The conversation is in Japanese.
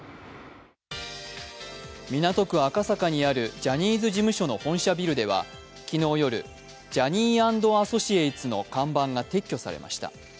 港区赤坂にあるジャニーズ事務所の本社ビルでは、昨日夜、Ｊｏｈｎｎｙ＆Ａｓｓｏｃｉａｔｅｓの看板が撤去されました。